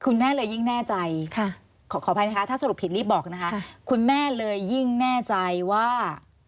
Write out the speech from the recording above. คุณแม่เลยยิ่งแน่ใจขออภัยนะคะถ้าสรุปผิดรีบบอกนะคะคุณแม่เลยยิ่งแน่ใจว่า